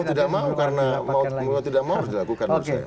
itu mau tidak mau karena mau tidak mau harus dilakukan